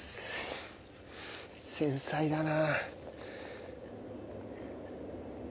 繊細だな。